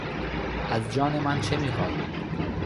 از جان من چه میخواهی؟